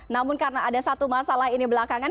namun karena ada satu masalah ini belakangan